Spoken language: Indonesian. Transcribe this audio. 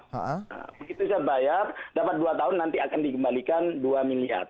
begitu saya bayar dapat dua tahun nanti akan dikembalikan dua miliar